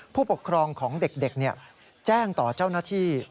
ผู้ปกครองของเด็กแจ้งต่อเจ้าหน้าที่